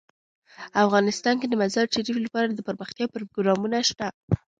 افغانستان کې د مزارشریف لپاره دپرمختیا پروګرامونه شته.